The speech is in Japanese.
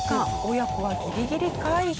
親子はギリギリ回避。